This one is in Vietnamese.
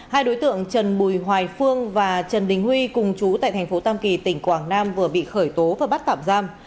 hai đối tượng trần bùi hoài phương và trần tình huy cùng chú tại tp tam kỳ tỉnh quảng nam vừa bị khởi tố và bắt tạm giam